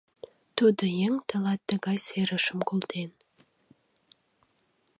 Тудо еҥ тылат тыгай серышым колтен.